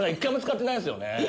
１回も使ってないんですよね。